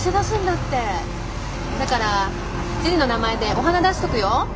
だからジュニの名前でお花出しとくよ。